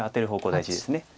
大事です。